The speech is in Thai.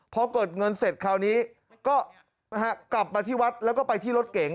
พอเกิดเงินเสร็จคราวนี้ก็กลับมาที่วัดแล้วก็ไปที่รถเก๋ง